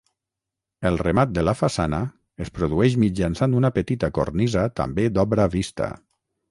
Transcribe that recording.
El remat de la façana es produeix mitjançant una petita cornisa també d'obra vista.